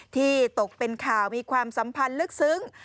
ตกเป็นข่าวมีความสัมพันธ์ลึกซึ้ง